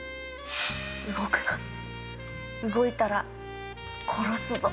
動くな、動いたら殺すぞ。